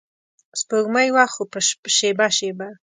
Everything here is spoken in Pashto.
سپوږمۍ وه خو په شیبه شیبه